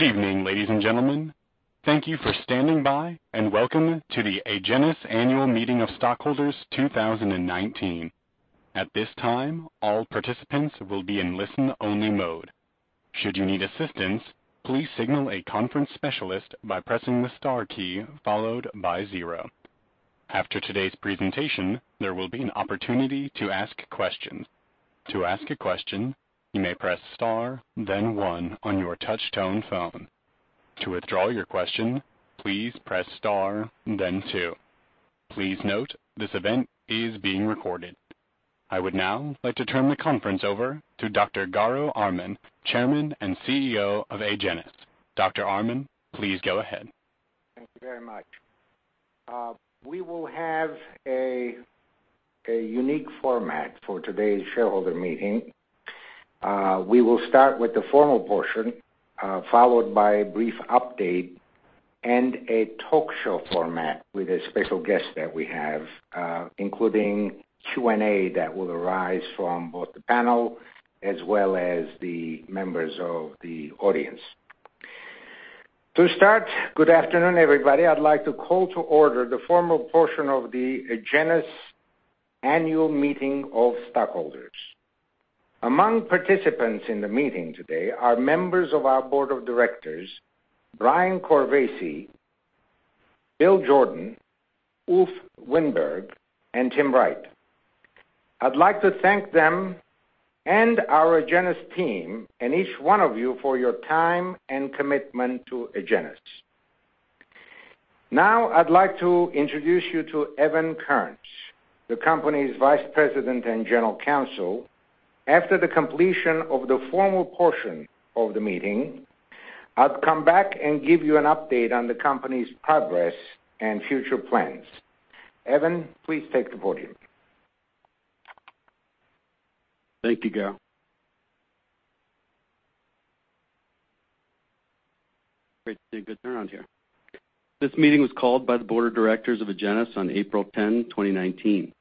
Good evening, ladies and gentlemen. Thank you for standing by, and welcome to the Agenus Annual Meeting of Stockholders 2019. At this time, all participants will be in listen-only mode. Should you need assistance, please signal a conference specialist by pressing the star key followed by zero. After today's presentation, there will be an opportunity to ask questions. To ask a question, you may press star then one on your touch tone phone. To withdraw your question, please press star then two. Please note, this event is being recorded. I would now like to turn the conference over to Dr. Garo Armen, Chairman and CEO of Agenus. Dr. Armen, please go ahead. Thank you very much. We will have a unique format for today's shareholder meeting. We will start with the formal portion, followed by a brief update and a talk show format with a special guest that we have, including Q&A that will arise from both the panel as well as the members of the audience. Good afternoon, everybody. I'd like to call to order the formal portion of the Agenus Annual Meeting of Stockholders. Among participants in the meeting today are members of our board of directors, Brian Corvese, Bill Jordan, Ulf Winberg, and Tim Wright. I'd like to thank them and our Agenus team and each one of you for your time and commitment to Agenus. Now, I'd like to introduce you to Evan Kearns, the company's Vice President and General Counsel. After the completion of the formal portion of the meeting, I'll come back and give you an update on the company's progress and future plans. Evan, please take the podium. Thank you, Garo. Wait till you get around here. This meeting was called by the board of directors of Agenus on April 10, 2019.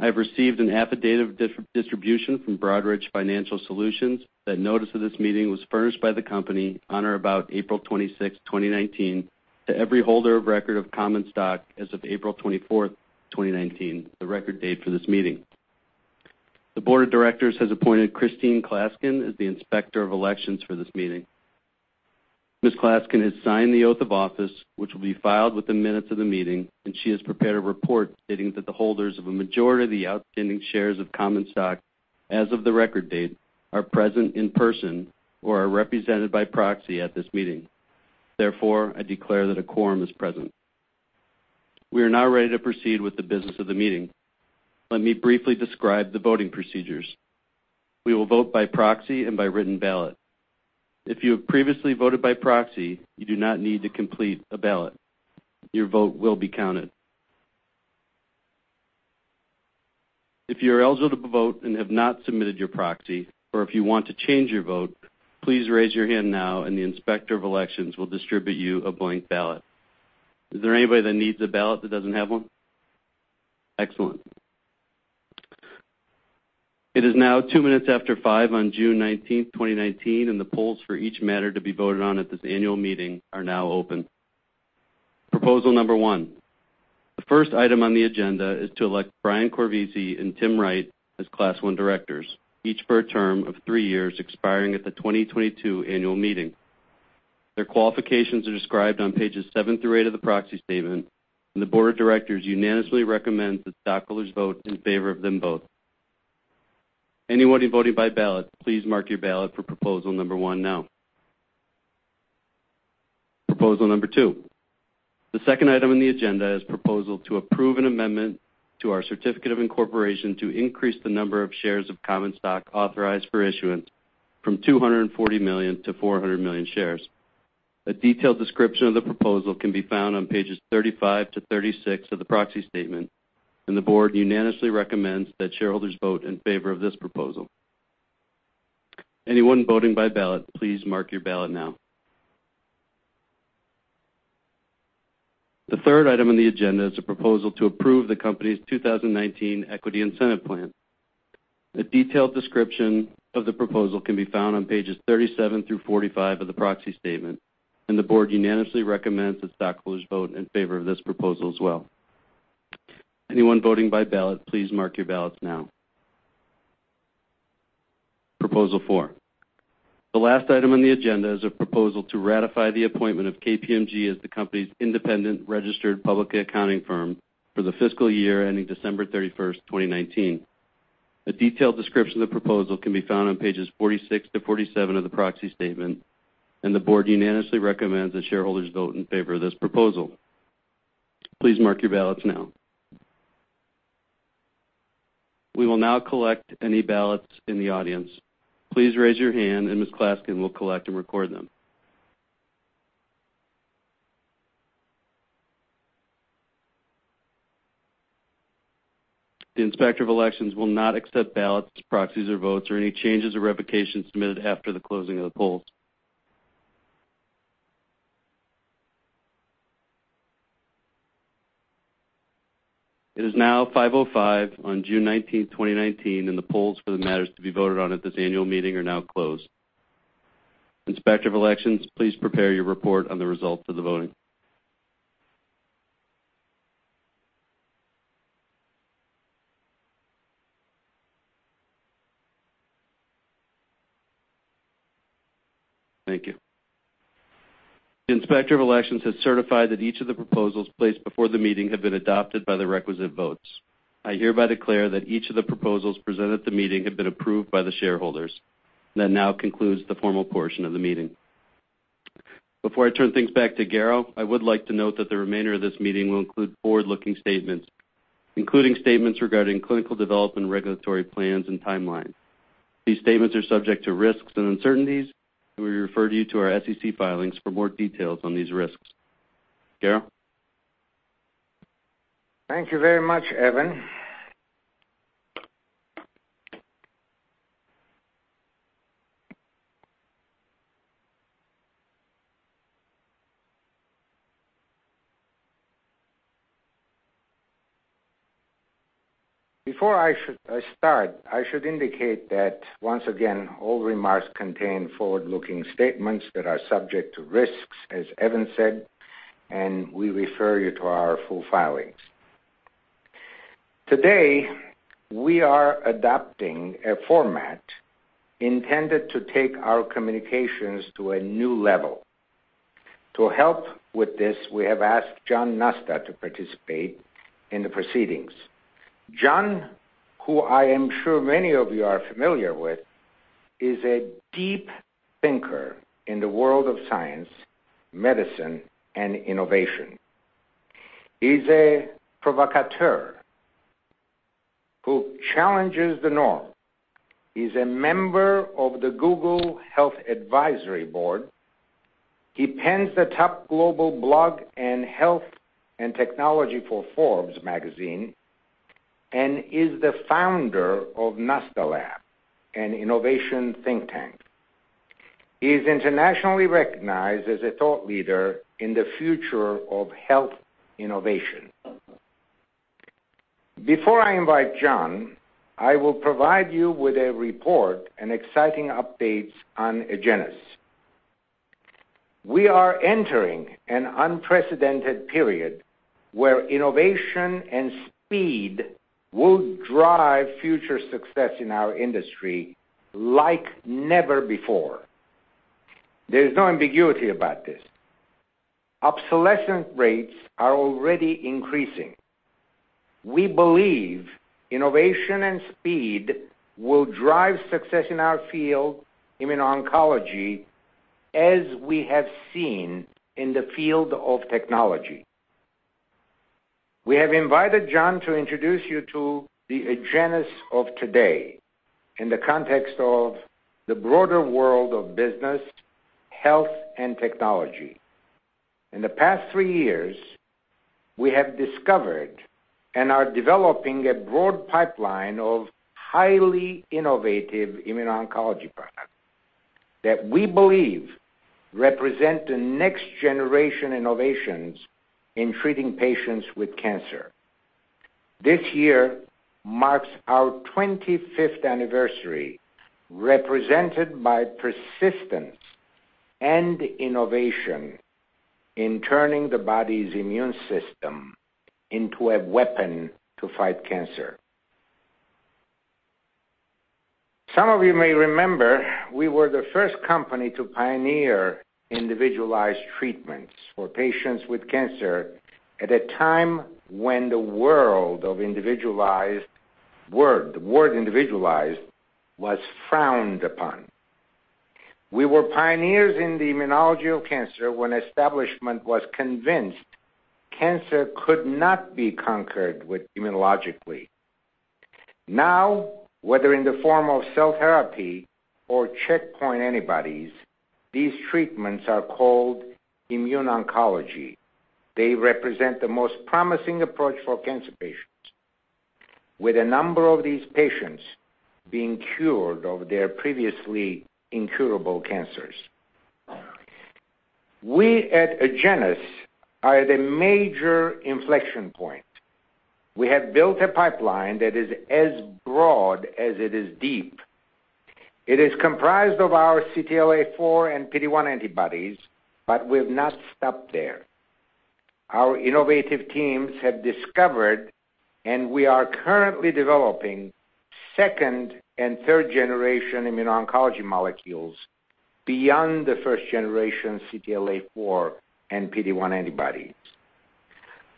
I have received an affidavit of distribution from Broadridge Financial Solutions that notice of this meeting was furnished by the company on or about April 26, 2019, to every holder of record of common stock as of April 24, 2019, the record date for this meeting. The board of directors has appointed Christine Klaskin as the inspector of elections for this meeting. Ms. Klaskin has signed the oath of office, which will be filed with the minutes of the meeting, and she has prepared a report stating that the holders of a majority of the outstanding shares of common stock as of the record date are present in person or are represented by proxy at this meeting. I declare that a quorum is present. We are now ready to proceed with the business of the meeting. Let me briefly describe the voting procedures. We will vote by proxy and by written ballot. If you have previously voted by proxy, you do not need to complete a ballot. Your vote will be counted. If you are eligible to vote and have not submitted your proxy, or if you want to change your vote, please raise your hand now and the inspector of elections will distribute you a blank ballot. Is there anybody that needs a ballot that doesn't have one? Excellent. It is now two minutes after 5:00 on June 19, 2019, and the polls for each matter to be voted on at this annual meeting are now open. Proposal number 1. The first item on the agenda is to elect Brian Corvese and Tim Wright as Class I directors, each for a term of three years expiring at the 2022 annual meeting. Their qualifications are described on pages seven through eight of the proxy statement, and the board of directors unanimously recommends that stockholders vote in favor of them both. Anybody voting by ballot, please mark your ballot for proposal number 1 now. Proposal number 2. The second item on the agenda is proposal to approve an amendment to our certificate of incorporation to increase the number of shares of common stock authorized for issuance from 240 million to 400 million shares. A detailed description of the proposal can be found on pages 35 to 36 of the proxy statement, and the board unanimously recommends that shareholders vote in favor of this proposal. Anyone voting by ballot, please mark your ballot now. The third item on the agenda is a proposal to approve the company's 2019 equity incentive plan. A detailed description of the proposal can be found on pages 37 through 45 of the proxy statement, and the board unanimously recommends that stockholders vote in favor of this proposal as well. Anyone voting by ballot, please mark your ballots now. Proposal four. The last item on the agenda is a proposal to ratify the appointment of KPMG as the company's independent registered public accounting firm for the fiscal year ending December 31st, 2019. A detailed description of the proposal can be found on pages 46 to 47 of the proxy statement, and the board unanimously recommends that shareholders vote in favor of this proposal. Please mark your ballots now. We will now collect any ballots in the audience. Please raise your hand and Ms. Klaskin will collect and record them. The inspector of elections will not accept ballots, proxies, or votes or any changes or revocations submitted after the closing of the polls. It is now 5:05 on June 19, 2019, and the polls for the matters to be voted on at this annual meeting are now closed. Inspector of elections, please prepare your report on the results of the voting. Thank you. The inspector of elections has certified that each of the proposals placed before the meeting have been adopted by the requisite votes. I hereby declare that each of the proposals presented at the meeting have been approved by the shareholders. That now concludes the formal portion of the meeting. Before I turn things back to Garo, I would like to note that the remainder of this meeting will include forward-looking statements, including statements regarding clinical development, regulatory plans, and timelines. These statements are subject to risks and uncertainties. We refer you to our SEC filings for more details on these risks. Garo? Thank you very much, Evan. Before I start, I should indicate that once again, all remarks contain forward-looking statements that are subject to risks, as Evan said. We refer you to our full filings. Today, we are adopting a format intended to take our communications to a new level. To help with this, we have asked John Nosta to participate in the proceedings. John, who I am sure many of you are familiar with, is a deep thinker in the world of science, medicine, and innovation. He's a provocateur who challenges the norm. He's a member of the Google Health Advisory Board. He pens the top global blog in health and technology for Forbes magazine and is the founder of NostaLab, an innovation think tank. He's internationally recognized as a thought leader in the future of health innovation. Before I invite John, I will provide you with a report and exciting updates on Agenus. We are entering an unprecedented period where innovation and speed will drive future success in our industry like never before. There is no ambiguity about this. Obsolescence rates are already increasing. We believe innovation and speed will drive success in our field, immuno-oncology, as we have seen in the field of technology. We have invited John to introduce you to the Agenus of today in the context of the broader world of business, health, and technology. In the past three years, we have discovered and are developing a broad pipeline of highly innovative immuno-oncology products that we believe represent the next generation innovations in treating patients with cancer. This year marks our 25th anniversary, represented by persistence and innovation in turning the body's immune system into a weapon to fight cancer. Some of you may remember we were the first company to pioneer individualized treatments for patients with cancer at a time when the word individualized was frowned upon. We were pioneers in the immunology of cancer when establishment was convinced cancer could not be conquered immunologically. Now, whether in the form of cell therapy or checkpoint antibodies, these treatments are called immuno-oncology. They represent the most promising approach for cancer patients, with a number of these patients being cured of their previously incurable cancers. We at Agenus are at a major inflection point. We have built a pipeline that is as broad as it is deep. It is comprised of our CTLA-4 and PD-1 antibodies. We've not stopped there. Our innovative teams have discovered and we are currently developing second and third generation immuno-oncology molecules beyond the first generation CTLA-4 and PD-1 antibodies.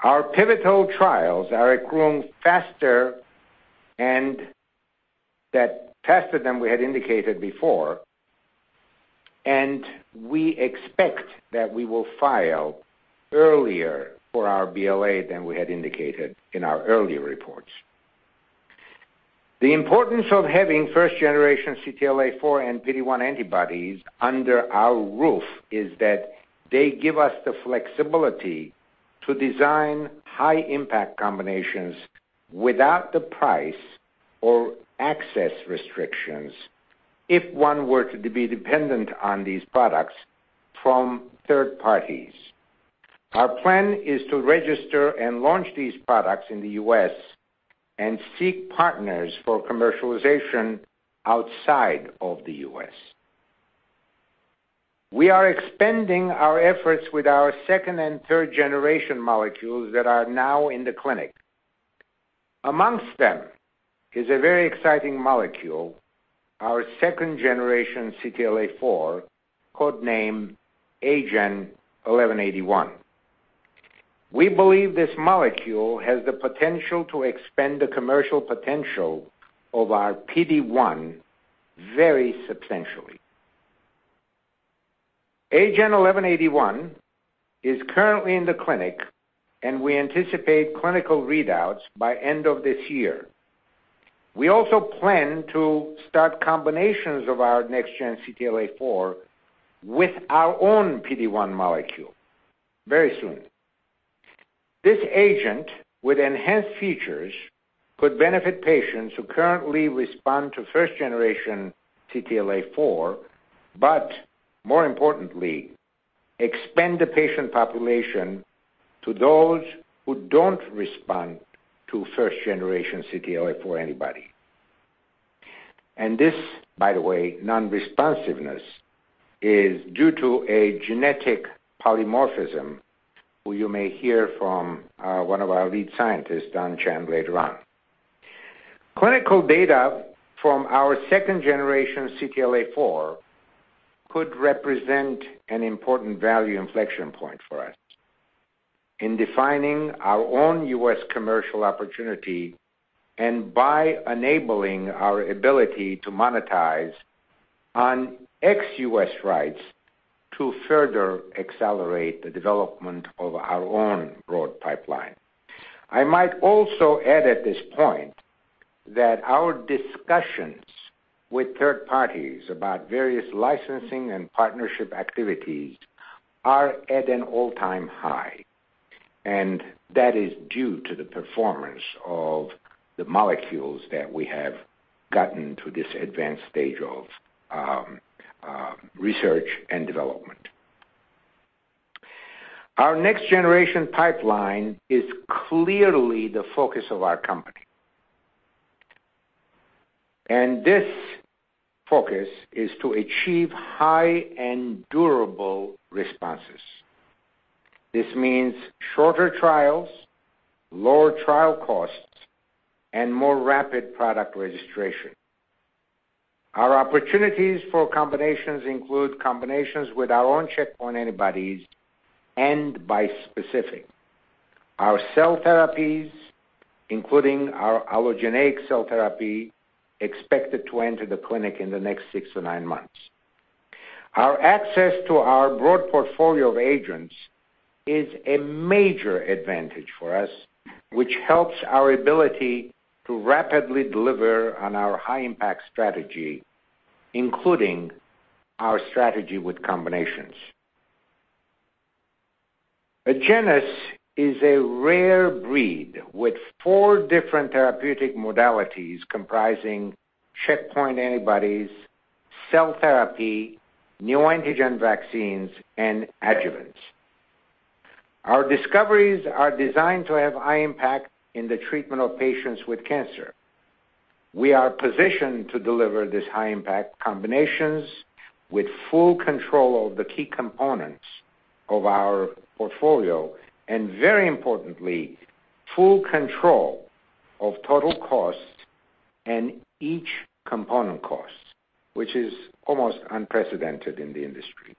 Our pivotal trials are accruing faster than we had indicated before. We expect that we will file earlier for our BLA than we had indicated in our earlier reports. The importance of having first generation CTLA-4 and PD-1 antibodies under our roof is that they give us the flexibility to design high-impact combinations without the price or access restrictions if one were to be dependent on these products from third parties. Our plan is to register and launch these products in the U.S. and seek partners for commercialization outside of the U.S. We are expanding our efforts with our second and third generation molecules that are now in the clinic. Amongst them is a very exciting molecule, our second generation CTLA-4, code-named AGEN1181. We believe this molecule has the potential to expand the commercial potential of our PD-1 very substantially. AGEN1181 is currently in the clinic, and we anticipate clinical readouts by end of this year. We also plan to start combinations of our next gen CTLA-4 with our own PD-1 molecule very soon. This agent with enhanced features could benefit patients who currently respond to first generation CTLA-4, but more importantly, expand the patient population to those who don't respond to first generation CTLA-4 antibody. This, by the way, non-responsiveness, is due to a genetic polymorphism who you may hear from one of our lead scientists, Dhan Chand, later on. Clinical data from our second generation CTLA-4 could represent an important value inflection point for us in defining our own U.S. commercial opportunity and by enabling our ability to monetize on ex-U.S. rights to further accelerate the development of our own broad pipeline. I might also add at this point that our discussions with third parties about various licensing and partnership activities are at an all-time high, and that is due to the performance of the molecules that we have gotten to this advanced stage of research and development. Our next generation pipeline is clearly the focus of our company. This focus is to achieve high and durable responses. This means shorter trials, lower trial costs, and more rapid product registration. Our opportunities for combinations include combinations with our own checkpoint antibodies and bispecific. Our cell therapies, including our allogeneic cell therapy, expected to enter the clinic in the next six to nine months. Our access to our broad portfolio of agents is a major advantage for us, which helps our ability to rapidly deliver on our high impact strategy, including our strategy with combinations. Agenus is a rare breed with four different therapeutic modalities comprising checkpoint antibodies, cell therapy, neoantigen vaccines, and adjuvants. Our discoveries are designed to have high impact in the treatment of patients with cancer. We are positioned to deliver this high impact combinations with full control of the key components of our portfolio, and very importantly, full control of total cost and each component cost, which is almost unprecedented in the industry.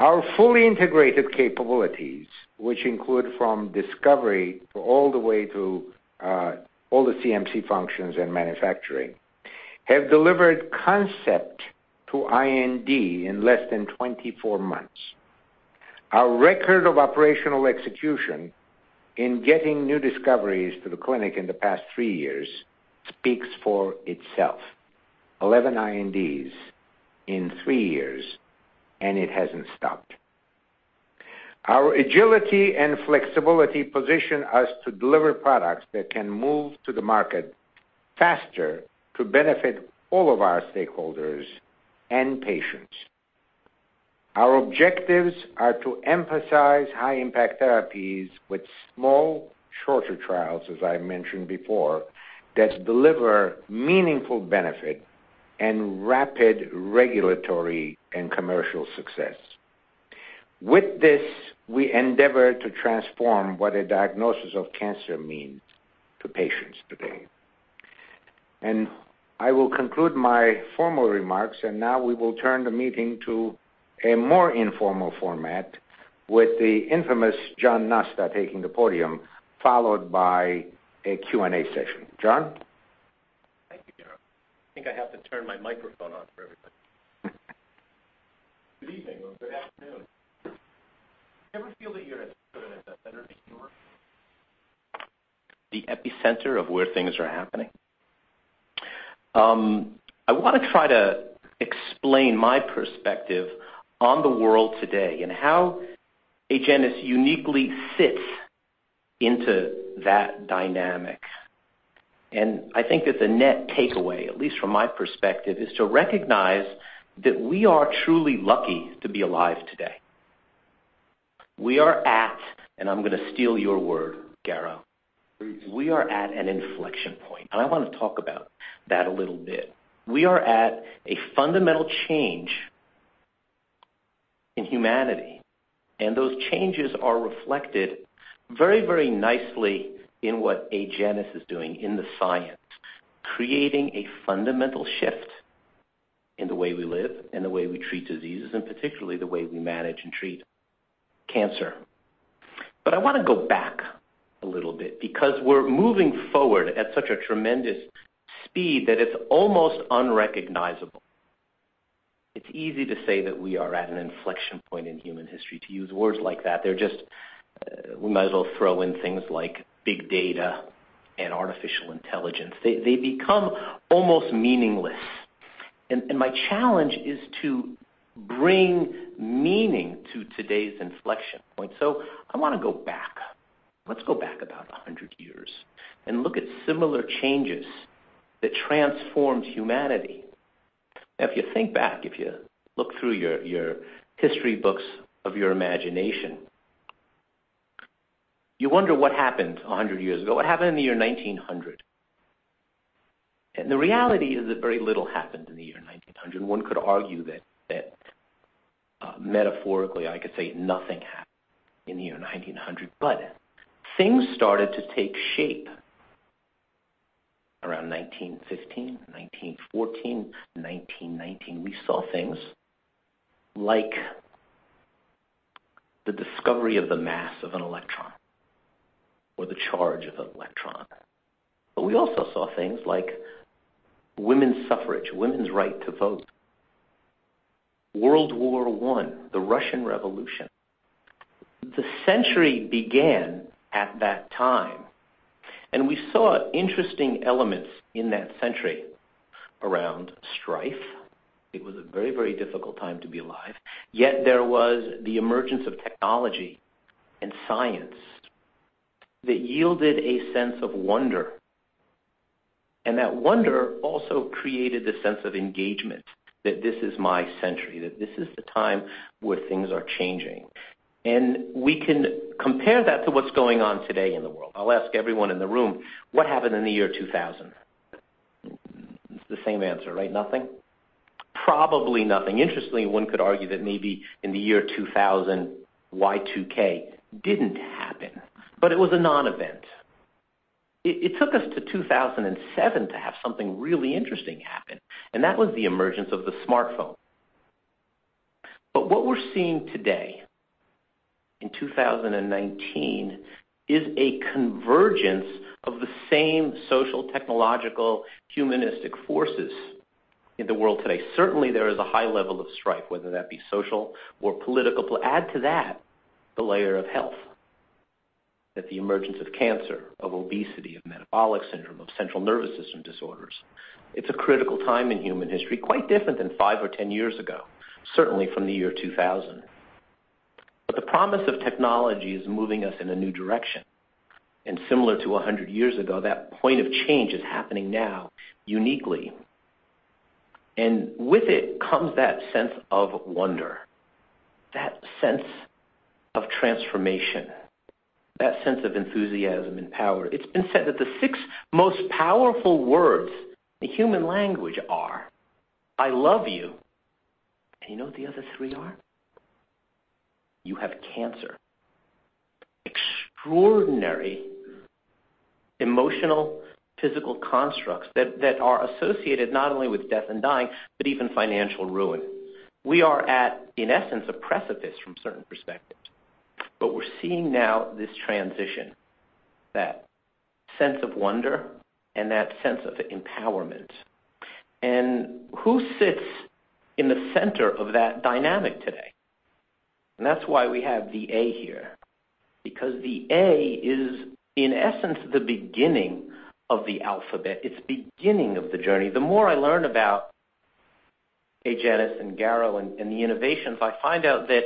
Our fully integrated capabilities, which include from discovery all the way to all the CMC functions and manufacturing, have delivered concept to IND in less than 24 months. Our record of operational execution in getting new discoveries to the clinic in the past 3 years speaks for itself. 11 INDs in 3 years. It hasn't stopped. Our agility and flexibility position us to deliver products that can move to the market faster to benefit all of our stakeholders and patients. Our objectives are to emphasize high impact therapies with small, shorter trials, as I mentioned before, that deliver meaningful benefit and rapid regulatory and commercial success. With this, we endeavor to transform what a diagnosis of cancer means to patients today. I will conclude my formal remarks, and now we will turn the meeting to a more informal format with the infamous John Nosta taking the podium, followed by a Q&A session. John? Thank you, Garo. I think I have to turn my microphone on for everybody. Good evening or good afternoon. Do you ever feel that you're at sort of at the center of the universe? The epicenter of where things are happening. I want to try to explain my perspective on the world today and how Agenus uniquely sits into that dynamic. I think that the net takeaway, at least from my perspective, is to recognize that we are truly lucky to be alive today. We are at, and I'm going to steal your word, Garo, we are at an inflection point, and I want to talk about that a little bit. We are at a fundamental change in humanity, and those changes are reflected very nicely in what Agenus is doing in the science, creating a fundamental shift in the way we live, in the way we treat diseases, and particularly the way we manage and treat cancer. I want to go back a little bit because we're moving forward at such a tremendous speed that it's almost unrecognizable. It's easy to say that we are at an inflection point in human history. To use words like that, we might as well throw in things like big data and artificial intelligence. They become almost meaningless, and my challenge is to bring meaning to today's inflection point. I want to go back. Let's go back about 100 years and look at similar changes that transformed humanity. If you think back, if you look through your history books of your imagination, you wonder what happened 100 years ago, what happened in the year 1900. The reality is that very little happened in the year 1900. One could argue that metaphorically, I could say nothing happened in the year 1900, but things started to take shape around 1915, 1914, 1919. We saw things like the discovery of the mass of an electron or the charge of an electron. We also saw things like women's suffrage, women's right to vote, World War I, the Russian Revolution. The century began at that time, and we saw interesting elements in that century around strife. It was a very difficult time to be alive. There was the emergence of technology and science that yielded a sense of wonder, that wonder also created the sense of engagement that this is my century, that this is the time where things are changing. We can compare that to what's going on today in the world. I'll ask everyone in the room, what happened in the year 2000? It's the same answer, right? Nothing. Probably nothing. Interestingly, one could argue that maybe in the year 2000, Y2K didn't happen, but it was a non-event. It took us to 2007 to have something really interesting happen, and that was the emergence of the smartphone. What we're seeing today in 2019 is a convergence of the same social, technological, humanistic forces in the world today. Certainly, there is a high level of strife, whether that be social or political. Add to that the layer of health, that the emergence of cancer, of obesity, of metabolic syndrome, of central nervous system disorders. It's a critical time in human history, quite different than five or 10 years ago, certainly from the year 2000. The promise of technology is moving us in a new direction, similar to 100 years ago, that point of change is happening now uniquely. With it comes that sense of wonder, that sense of transformation, that sense of enthusiasm and power. It's been said that the six most powerful words in human language are "I love you." You know what the other three are? "You have cancer." Extraordinary emotional, physical constructs that are associated not only with death and dying, but even financial ruin. We are at, in essence, a precipice from certain perspectives. We're seeing now this transition, that sense of wonder and that sense of empowerment. Who sits in the center of that dynamic today? That's why we have the A here, because the A is, in essence, the beginning of the alphabet. It's beginning of the journey. The more I learn about Agenus and Garo and the innovations, I find out that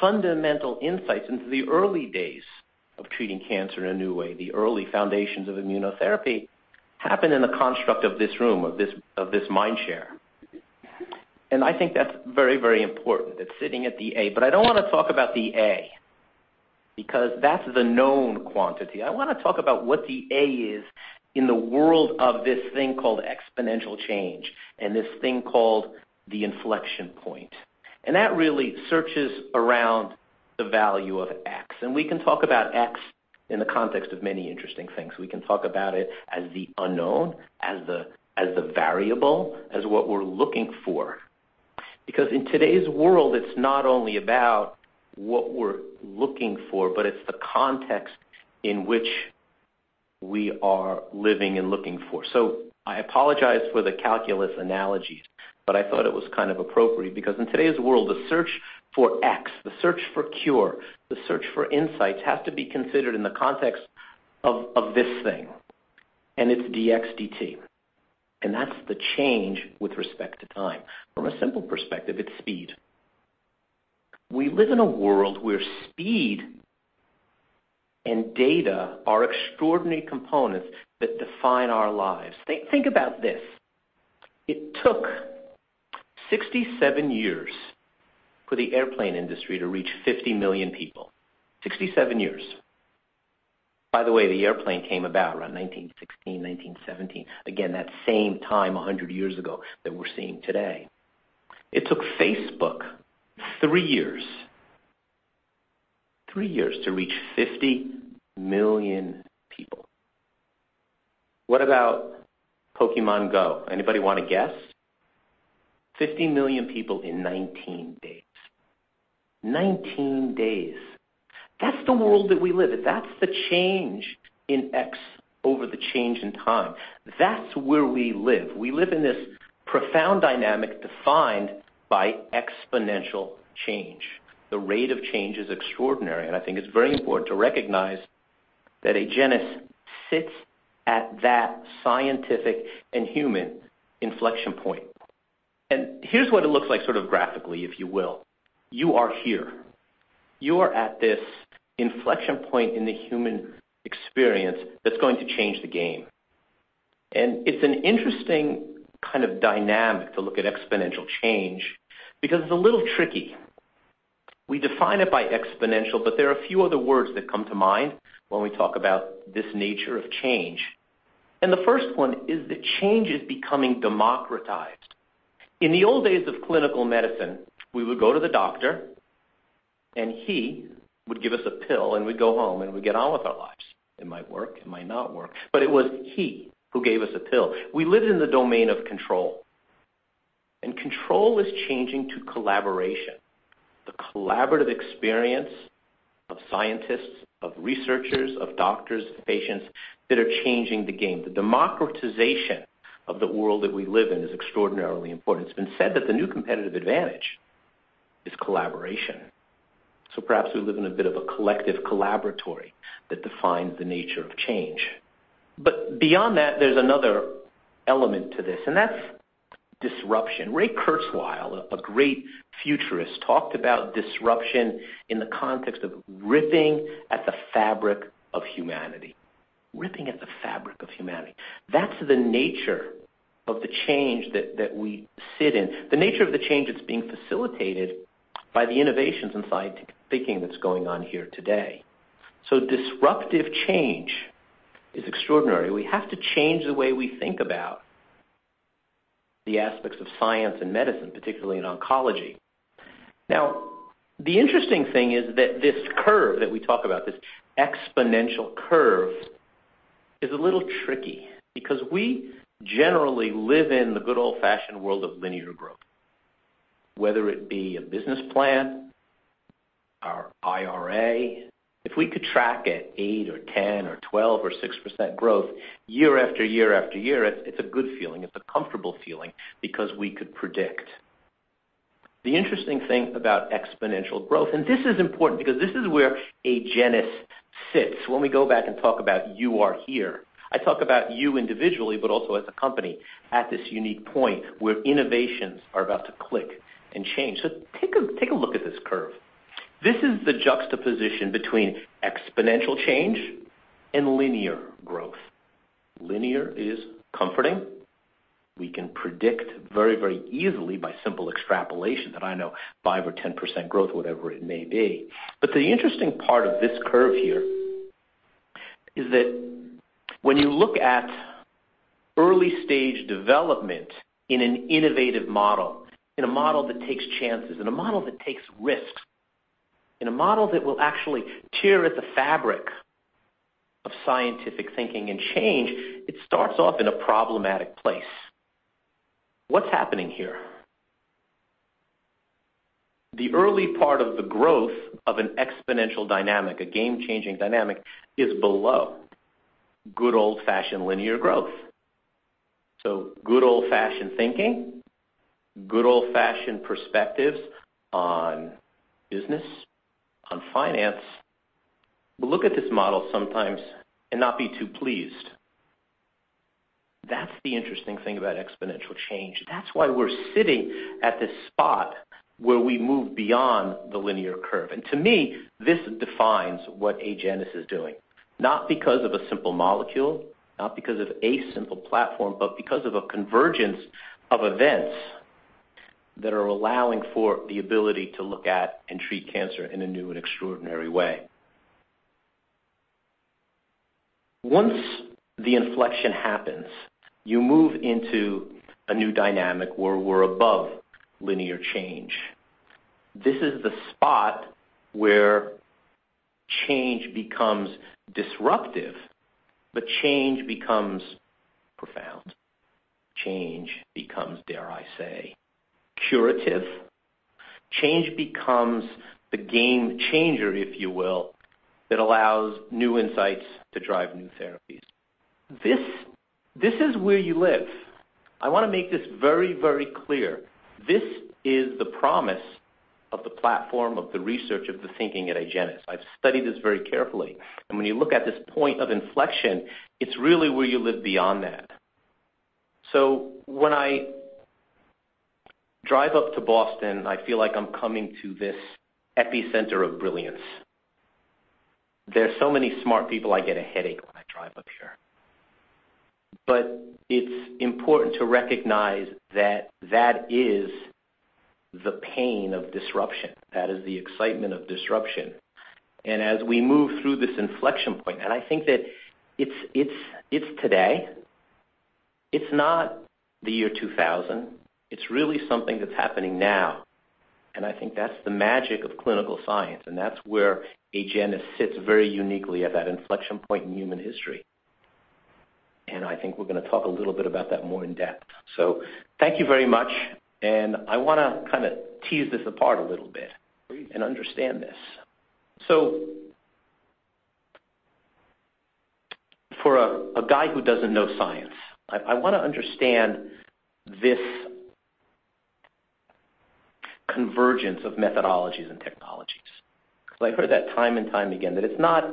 fundamental insights into the early days of treating cancer in a new way, the early foundations of immunotherapy happened in the construct of this room, of this mind share. I think that's very important, that sitting at the A. I don't want to talk about the A because that's the known quantity. I want to talk about what the A is in the world of this thing called exponential change and this thing called the inflection point. That really searches around the value of X. We can talk about X in the context of many interesting things. We can talk about it as the unknown, as the variable, as what we're looking for. Because in today's world, it's not only about what we're looking for, but it's the context in which we are living and looking for. I apologize for the calculus analogy, I thought it was kind of appropriate because in today's world, the search for X, the search for cure, the search for insights has to be considered in the context of this thing, and it's dx/dt and that's the change with respect to time. From a simple perspective, it's speed. We live in a world where speed and data are extraordinary components that define our lives. Think about this. It took 67 years for the airplane industry to reach 50 million people. 67 years. By the way, the airplane came about around 1916, 1917. Again, that same time 100 years ago that we're seeing today. It took Facebook three years to reach 50 million people. What about Pokémon GO? Anybody want to guess? 50 million people in 19 days. 19 days. That's the world that we live in. That's the change in X over the change in time. That's where we live. We live in this profound dynamic defined by exponential change. The rate of change is extraordinary, and I think it's very important to recognize that Agenus sits at that scientific and human inflection point. Here's what it looks like graphically, if you will. You are here. You are at this inflection point in the human experience that's going to change the game. It's an interesting kind of dynamic to look at exponential change, because it's a little tricky. We define it by exponential, but there are a few other words that come to mind when we talk about this nature of change. The first one is that change is becoming democratized. In the old days of clinical medicine, we would go to the doctor. He would give us a pill, we'd go home, we'd get on with our lives. It might work, it might not work, but it was he who gave us a pill. We lived in the domain of control. Control is changing to collaboration. The collaborative experience of scientists, of researchers, of doctors, of patients that are changing the game. The democratization of the world that we live in is extraordinarily important. It's been said that the new competitive advantage is collaboration. Perhaps we live in a bit of a collective collaboratory that defines the nature of change. Beyond that, there's another element to this. That's disruption. Ray Kurzweil, a great futurist, talked about disruption in the context of ripping at the fabric of humanity. Ripping at the fabric of humanity. That's the nature of the change that we sit in, the nature of the change that's being facilitated by the innovations in scientific thinking that's going on here today. Disruptive change is extraordinary. We have to change the way we think about the aspects of science and medicine, particularly in oncology. The interesting thing is that this curve that we talk about, this exponential curve, is a little tricky because we generally live in the good old-fashioned world of linear growth. Whether it be a business plan, our IRA. If we could track at 8% or 10% or 12% or 6% growth year after year after year, it's a good feeling. It's a comfortable feeling because we could predict. The interesting thing about exponential growth, and this is important because this is where Agenus sits. When we go back and talk about you are here, I talk about you individually, but also as a company at this unique point where innovations are about to click and change. Take a look at this curve. This is the juxtaposition between exponential change and linear growth. Linear is comforting. We can predict very easily by simple extrapolation that I know 5% or 10% growth, whatever it may be. The interesting part of this curve here is that when you look at early-stage development in an innovative model, in a model that takes chances, in a model that takes risks, in a model that will actually tear at the fabric of scientific thinking and change, it starts off in a problematic place. What's happening here? The early part of the growth of an exponential dynamic, a game-changing dynamic, is below good old-fashioned linear growth. Good old-fashioned thinking, good old-fashioned perspectives on business, on finance, will look at this model sometimes and not be too pleased. That's the interesting thing about exponential change. That's why we're sitting at this spot where we move beyond the linear curve. To me, this defines what Agenus is doing. Not because of a simple molecule, not because of a simple platform, but because of a convergence of events that are allowing for the ability to look at and treat cancer in a new and extraordinary way. Once the inflection happens, you move into a new dynamic where we're above linear change. This is the spot where change becomes disruptive, but change becomes profound. Change becomes, dare I say, curative. Change becomes the game changer, if you will, that allows new insights to drive new therapies. This is where you live. I want to make this very clear. This is the promise of the platform, of the research, of the thinking at Agenus. I've studied this very carefully, and when you look at this point of inflection, it's really where you live beyond that. So when I drive up to Boston, I feel like I'm coming to this epicenter of brilliance. There's so many smart people, I get a headache when I drive up here. It's important to recognize that that is the pain of disruption. That is the excitement of disruption. As we move through this inflection point, I think that it's today. It's not the year 2000. It's really something that's happening now, and I think that's the magic of clinical science, and that's where Agenus sits very uniquely at that inflection point in human history. I think we're going to talk a little bit about that more in-depth. Thank you very much, I want to kind of tease this apart a little bit and understand this. For a guy who doesn't know science, I want to understand this convergence of methodologies and technologies. I've heard that time and time again, that it's not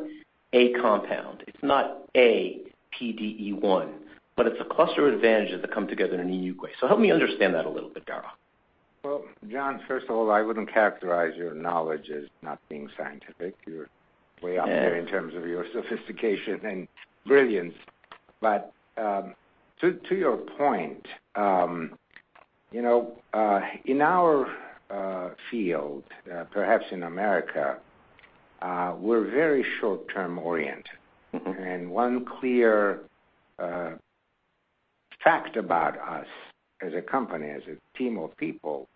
a compound, it's not a PD-1, but it's a cluster of advantages that come together in a unique way. Help me understand that a little bit, Garo. Well, John Nosta, first of all, I wouldn't characterize your knowledge as not being scientific. You're way up there in terms of your sophistication and brilliance. To your point, in our field, perhaps in America, we're very short-term oriented. One clear fact about us as a company, as a team of people,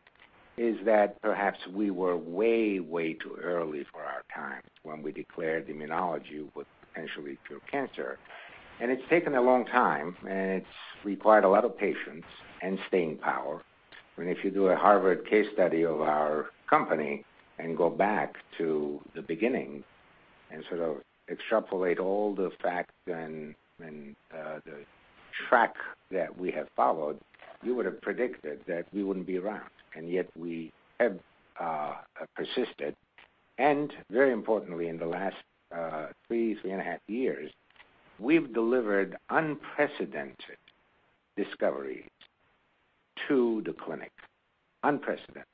is that perhaps we were way too early for our time when we declared immunology would potentially cure cancer. It's taken a long time, and it's required a lot of patience and staying power. If you do a Harvard case study of our company and go back to the beginning and sort of extrapolate all the facts and the track that we have followed, you would've predicted that we wouldn't be around. Yet we have persisted. Very importantly, in the last three and a half years, we've delivered unprecedented discoveries to the clinic. Unprecedented.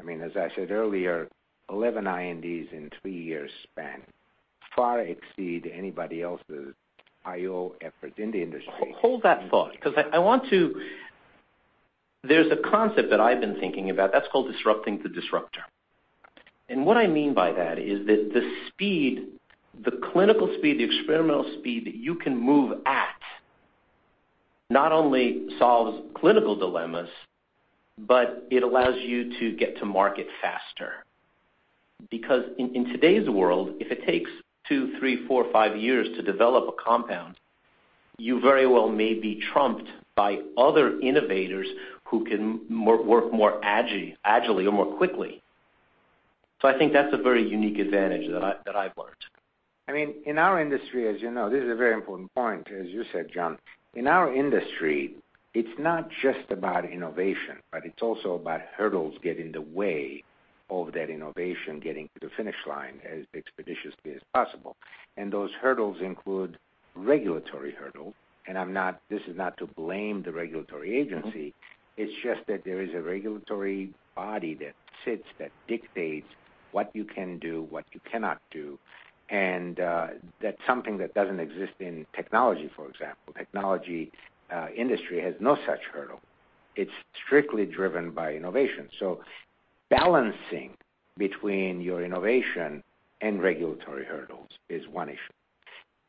As I said earlier, 11 INDs in three years span far exceed anybody else's IO efforts in the industry. Hold that thought, because there's a concept that I've been thinking about that's called disrupting the disruptor. What I mean by that is that the speed, the clinical speed, the experimental speed that you can move at not only solves clinical dilemmas, but it allows you to get to market faster. Because in today's world, if it takes two, three, four, five years to develop a compound, you very well may be trumped by other innovators who can work more agilely or more quickly. I think that's a very unique advantage that I've learned. In our industry, as you know, this is a very important point, as you said, John Nosta. In our industry, it's not just about innovation, but it's also about hurdles getting in the way of that innovation getting to the finish line as expeditiously as possible. Those hurdles include regulatory hurdle, and this is not to blame the regulatory agency. It's just that there is a regulatory body that sits, that dictates what you can do, what you cannot do, and that's something that doesn't exist in technology, for example. Technology industry has no such hurdle. It's strictly driven by innovation. Balancing between your innovation and regulatory hurdles is one issue.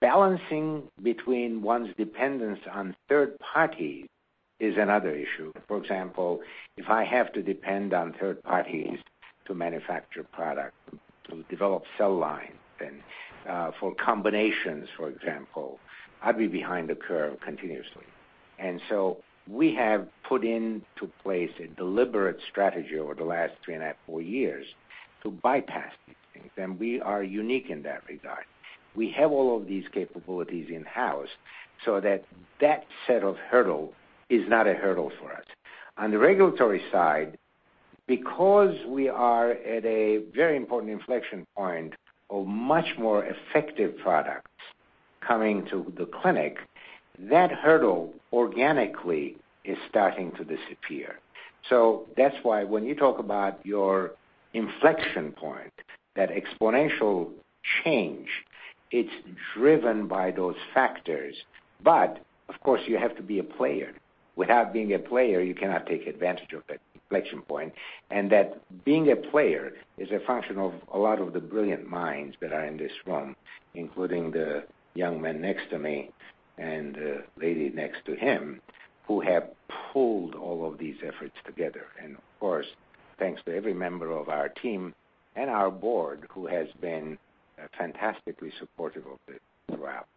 Balancing between one's dependence on third parties is another issue. For example, if I have to depend on third parties to manufacture product, to develop cell lines, and for combinations, for example, I'd be behind the curve continuously. We have put into place a deliberate strategy over the last three and a half, four years to bypass these things, and we are unique in that regard. We have all of these capabilities in-house so that that set of hurdle is not a hurdle for us. On the regulatory side, because we are at a very important inflection point of much more effective products coming to the clinic, that hurdle organically is starting to disappear. That's why when you talk about your inflection point, that exponential change, it's driven by those factors. Of course, you have to be a player. Without being a player, you cannot take advantage of that inflection point. That being a player is a function of a lot of the brilliant minds that are in this room, including the young man next to me and the lady next to him, who have pulled all of these efforts together. Of course, thanks to every member of our team and our board who has been fantastically supportive of this throughout,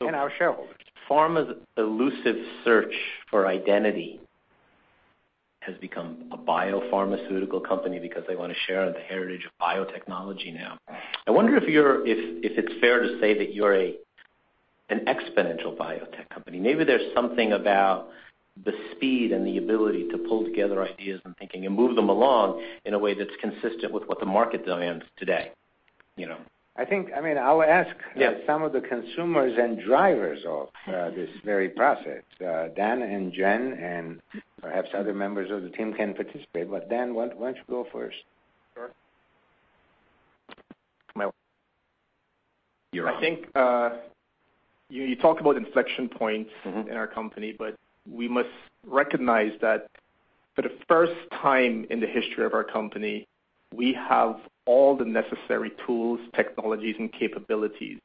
and our shareholders. Pharma's elusive search for identity has become a biopharmaceutical company because they want to share in the heritage of biotechnology now. I wonder if it's fair to say that you're an exponential biotech company. Maybe there's something about the speed and the ability to pull together ideas and thinking and move them along in a way that's consistent with what the market demands today. I think I will ask some of the consumers and drivers of this very process. Dhan and Jen, and perhaps other members of the team can participate. Dhan, why don't you go first? Sure. You're up. I think you talked about inflection points in our company, but we must recognize that for the first time in the history of our company, we have all the necessary tools, technologies, and capabilities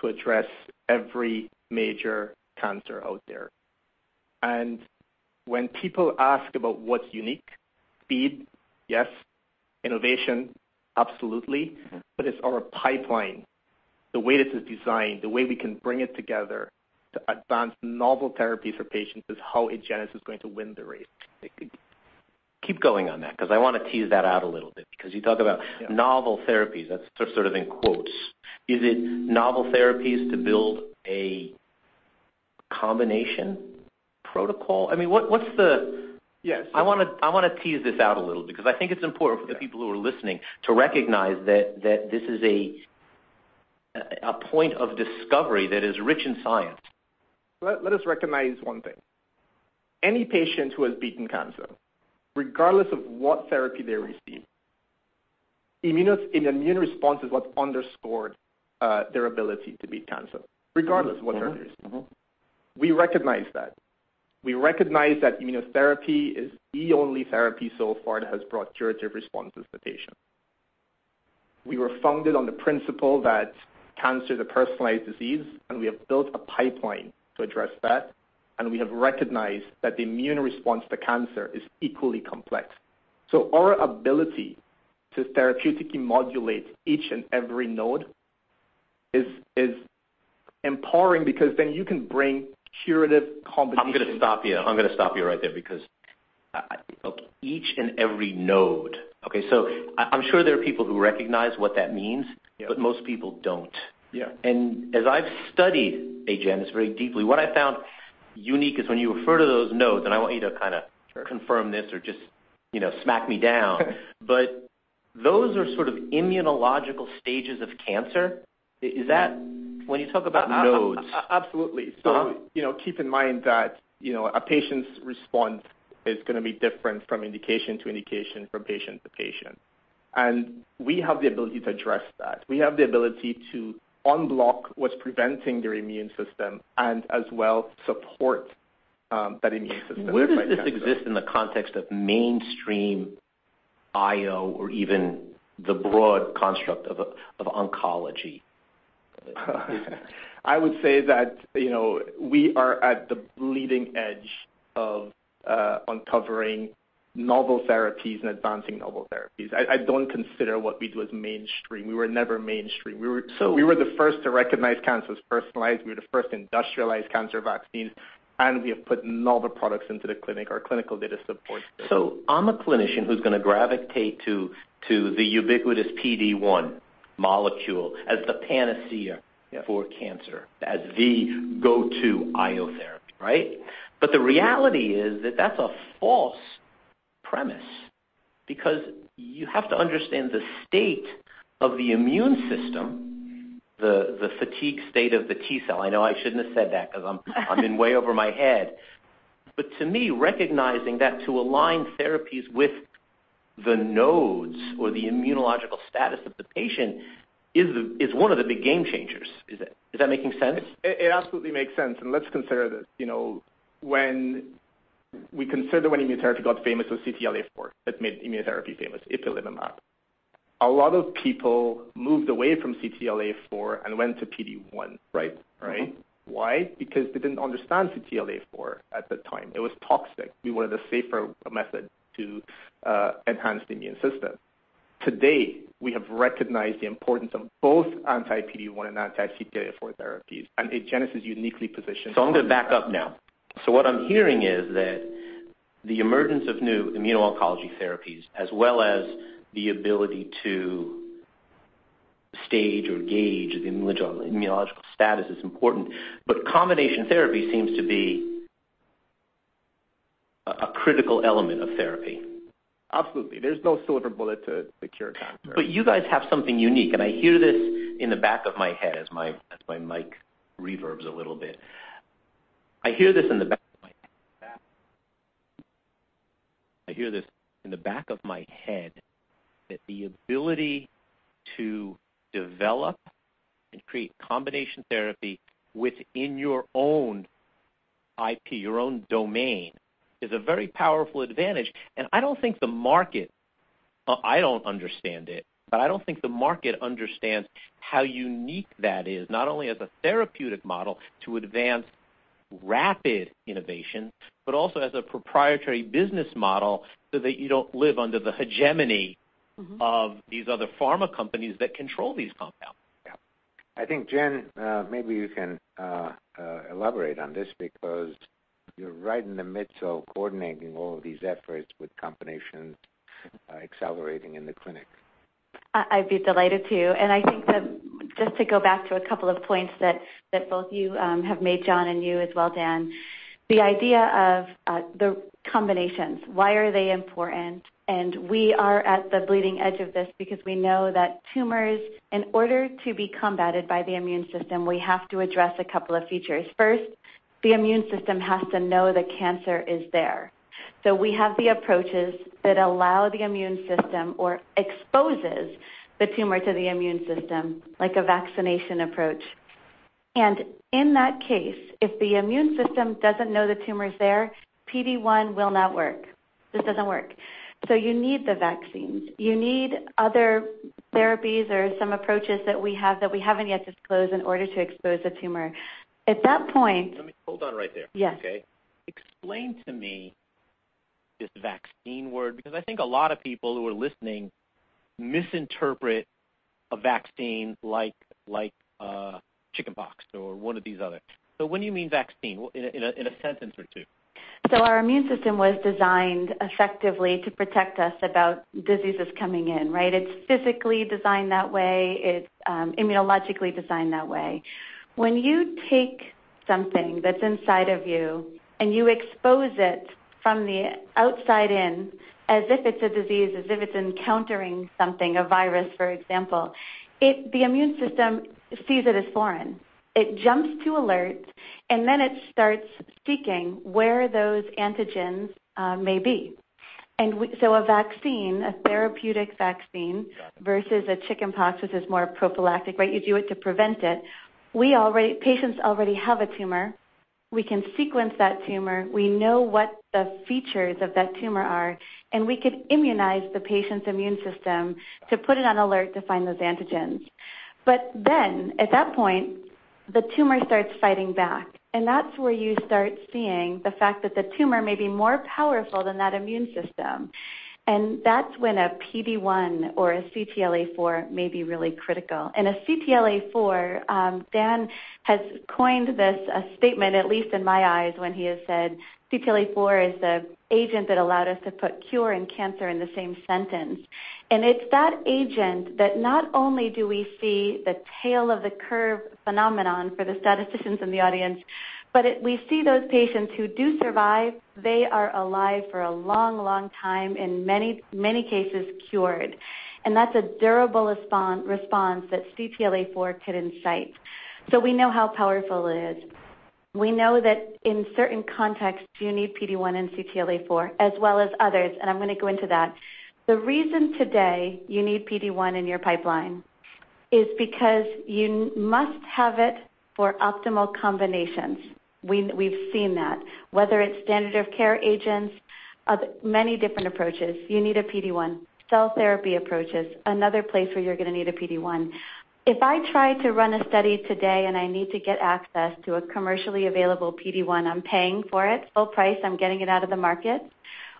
to address every major cancer out there. When people ask about what's unique, speed, yes, innovation, absolutely. It's our pipeline. The way this is designed, the way we can bring it together to advance novel therapies for patients is how Agenus is going to win the race. Keep going on that, because I want to tease that out a little bit, because you talk about novel therapies, that's sort of in quotes. Is it novel therapies to build a combination protocol? I want to tease this out a little bit, because I think it's important for the people who are listening to recognize that this is a point of discovery that is rich in science. Let us recognize one thing. Any patient who has beaten cancer, regardless of what therapy they receive, an immune response is what underscored their ability to beat cancer, regardless what therapy is. We recognize that. We recognize that immunotherapy is the only therapy so far that has brought curative responses to patients. We were founded on the principle that cancer is a personalized disease, and we have built a pipeline to address that, and we have recognized that the immune response to cancer is equally complex. Our ability to therapeutically modulate each and every node is empowering because then you can bring curative I'm going to stop you. I'm going to stop you right there because each and every node. Okay. I'm sure there are people who recognize what that means. Yeah Most people don't. Yeah. As I've studied Agenus very deeply, what I found unique is when you refer to those nodes, and I want you to confirm this or just smack me down, but those are sort of immunological stages of cancer. When you talk about nodes? Absolutely. Keep in mind that a patient's response is going to be different from indication to indication, from patient to patient. We have the ability to address that. We have the ability to unblock what's preventing their immune system and as well support that immune system. Where does this exist in the context of mainstream IO or even the broad construct of oncology? I would say that we are at the leading edge of uncovering novel therapies and advancing novel therapies. I don't consider what we do as mainstream. We were never mainstream. So- We were the first to recognize cancer as personalized. We were the first to industrialize cancer vaccines, we have put novel products into the clinic. Our clinical data supports this. I'm a clinician who's going to gravitate to the ubiquitous PD-1 molecule as the panacea- Yeah for cancer, as the go-to IO therapy, right? The reality is that that's a false premise because you have to understand the state of the immune system, the fatigue state of the T cell. I know I shouldn't have said that because I'm in way over my head. To me, recognizing that to align therapies with the nodes or the immunological status of the patient is one of the big game changers. Is that making sense? It absolutely makes sense. Let's consider this. When we consider when immunotherapy got famous with CTLA-4, that made immunotherapy famous, ipilimumab. A lot of people moved away from CTLA-4 and went to PD-1. Right. Mm-hmm. Right. Why? They didn't understand CTLA-4 at the time. It was toxic. We wanted a safer method to enhance the immune system. To date, we have recognized the importance of both anti-PD-1 and anti-CTLA-4 therapies. Agenus is uniquely positioned. I'm going to back up now. What I'm hearing is that the emergence of new immuno-oncology therapies as well as the ability to stage or gauge the immunological status is important. Combination therapy seems to be a critical element of therapy. Absolutely. There's no silver bullet to cure cancer. You guys have something unique, and I hear this in the back of my head as my mic reverbs a little bit. I hear this in the back of my head, that the ability to develop and create combination therapy within your own IP, your own domain, is a very powerful advantage. I don't think the market I don't understand it, but I don't think the market understands how unique that is, not only as a therapeutic model to advance rapid innovation, but also as a proprietary business model so that you don't live under the hegemony- of these other pharma companies that control these compounds. Yeah. I think, Jen, maybe you can elaborate on this because you're right in the midst of coordinating all of these efforts with combination accelerating in the clinic. I'd be delighted to, Just to go back to a couple of points that both you have made, John, and you as well, Dan. The idea of the combinations, why are they important? We are at the bleeding edge of this because we know that tumors, in order to be combated by the immune system, we have to address a couple of features. First, the immune system has to know the cancer is there. We have the approaches that allow the immune system or exposes the tumor to the immune system like a vaccination approach. In that case, if the immune system doesn't know the tumor's there, PD-1 will not work. Just doesn't work. You need the vaccines, you need other therapies or some approaches that we have that we haven't yet disclosed in order to expose a tumor. At that point- Let me hold on right there. Yes. Okay. Explain to me this vaccine word, because I think a lot of people who are listening misinterpret a vaccine like chickenpox or one of these others. What do you mean vaccine in a sentence or two? Our immune system was designed effectively to protect us about diseases coming in, right? It's physically designed that way. It's immunologically designed that way. When you take something that's inside of you and you expose it from the outside in, as if it's a disease, as if it's encountering something, a virus, for example. The immune system sees it as foreign, it jumps to alert, then it starts seeking where those antigens may be. A vaccine, a therapeutic vaccine versus a chickenpox, which is more prophylactic, right? You do it to prevent it. Patients already have a tumor. We can sequence that tumor. We know what the features of that tumor are, and we could immunize the patient's immune system to put it on alert to find those antigens. At that point, the tumor starts fighting back. That's where you start seeing the fact that the tumor may be more powerful than that immune system. That's when a PD-1 or a CTLA-4 may be really critical. A CTLA-4, Dan has coined this a statement, at least in my eyes, when he has said CTLA-4 is the agent that allowed us to put cure and cancer in the same sentence. It's that agent that not only do we see the tail of the curve phenomenon for the statisticians in the audience, but we see those patients who do survive. They are alive for a long time, in many cases cured. That's a durable response that CTLA-4 can incite. We know how powerful it is. We know that in certain contexts you need PD-1 and CTLA-4 as well as others, and I'm going to go into that. The reason today you need PD-1 in your pipeline is because you must have it for optimal combinations. We've seen that. Whether it's standard of care agents of many different approaches, you need a PD-1. Cell therapy approach is another place where you're going to need a PD-1. If I try to run a study today and I need to get access to a commercially available PD-1, I'm paying for it full price, I'm getting it out of the market,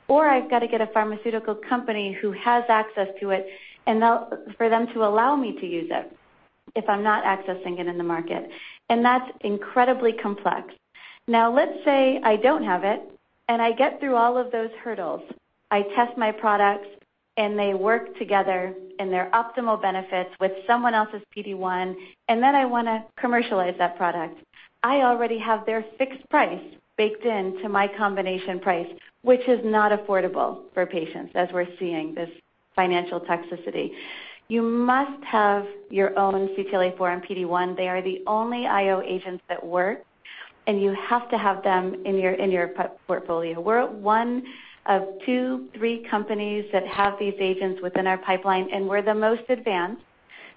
or I've got to get a pharmaceutical company who has access to it for them to allow me to use it if I'm not accessing it in the market. That's incredibly complex. Now let's say I don't have it and I get through all of those hurdles. I test my products and they work together, and they're optimal benefits with someone else's PD-1, then I want to commercialize that product. I already have their fixed price baked into my combination price, which is not affordable for patients as we're seeing this financial toxicity. You must have your own CTLA-4 and PD-1. They are the only IO agents that work, you have to have them in your portfolio. We're at one of two, three companies that have these agents within our pipeline, we're the most advanced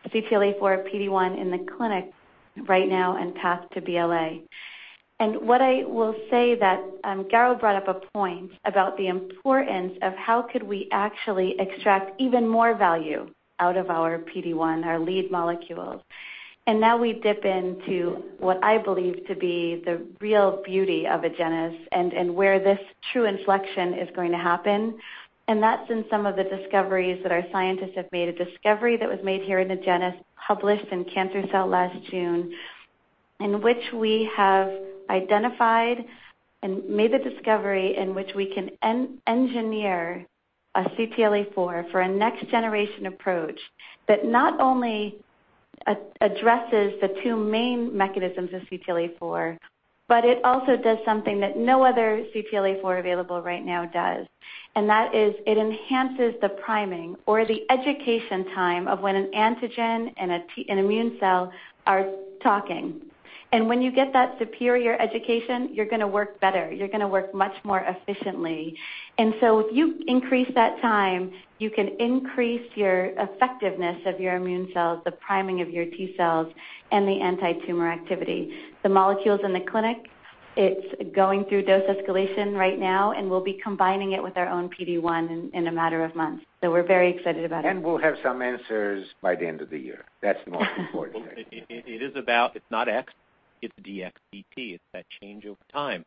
CTLA-4 PD-1 in the clinic right now and path to BLA. What I will say that Garo brought up a point about the importance of how could we actually extract even more value out of our PD-1, our lead molecules. Now we dip into what I believe to be the real beauty of Agenus and where this true inflection is going to happen. That's in some of the discoveries that our scientists have made. A discovery that was made here in Agenus, published in "Cancer Cell" last June, in which we have identified and made the discovery in which we can engineer a CTLA-4 for a next generation approach that not only addresses the two main mechanisms of CTLA-4, but it also does something that no other CTLA-4 available right now does. That is it enhances the priming or the education time of when an antigen and an immune cell are talking. When you get that superior education, you're going to work better, you're going to work much more efficiently. If you increase that time, you can increase your effectiveness of your immune cells, the priming of your T cells, and the anti-tumor activity. The molecule's in the clinic. It's going through dose escalation right now, and we'll be combining it with our own PD-1 in a matter of months. We're very excited about it. We'll have some answers by the end of the year. That's the most important thing. It is about, it's not X, it's dx/dt. It's that change over time.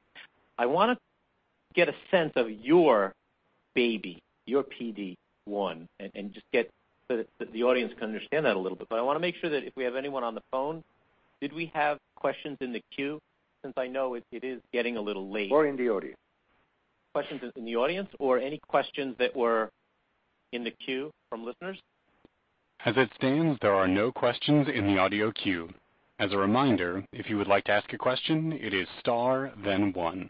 I want to get a sense of your baby, your PD-1, and just get so that the audience can understand that a little bit. I want to make sure that if we have anyone on the phone, did we have questions in the queue since I know it is getting a little late. In the audience Questions in the audience or any questions that were in the queue from listeners? As it stands, there are no questions in the audio queue. As a reminder, if you would like to ask a question, it is star then one.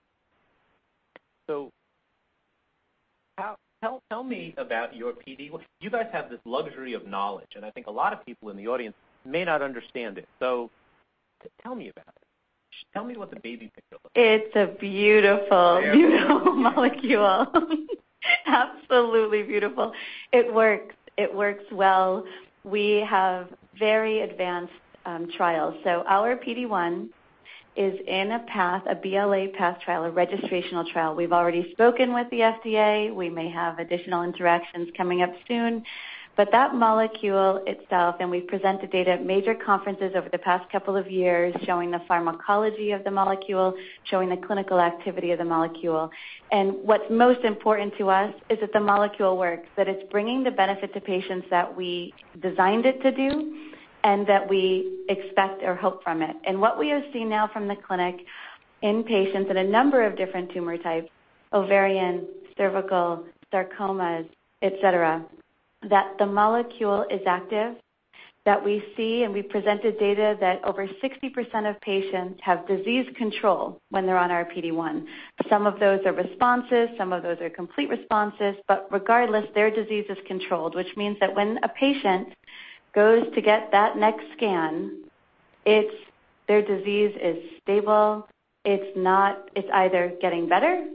Tell me about your PD. You guys have this luxury of knowledge, and I think a lot of people in the audience may not understand it. Tell me about it. Tell me what the baby picture looks like. It's a beautiful molecule. Absolutely beautiful. It works well. We have very advanced trials. Our PD-1 is in a path, a BLA path trial, a registrational trial. We've already spoken with the FDA. We may have additional interactions coming up soon. That molecule itself, and we've presented data at major conferences over the past couple of years, showing the pharmacology of the molecule, showing the clinical activity of the molecule. What's most important to us is that the molecule works, that it's bringing the benefit to patients that we designed it to do, and that we expect or hope from it. What we have seen now from the clinic in patients in a number of different tumor types, ovarian, cervical, sarcomas, et cetera, that the molecule is active, that we see and we presented data that over 60% of patients have disease control when they're on our PD-1. Some of those are responses, some of those are complete responses. Regardless, their disease is controlled, which means that when a patient goes to get that next scan, their disease is stable. It's either getting better,